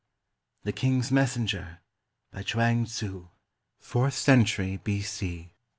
THE KING'S MESSENGER BY CHUANG TZU, FOURTH CENTURY B.C.